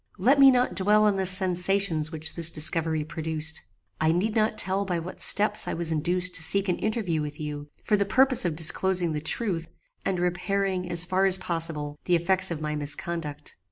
"Let me not dwell on the sensations which this discovery produced. I need not tell by what steps I was induced to seek an interview with you, for the purpose of disclosing the truth, and repairing, as far as possible, the effects of my misconduct.